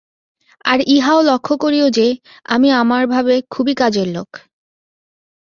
আর ইহাও লক্ষ্য করিও যে, আমি আমার ভাবে খুবই কাজের লোক।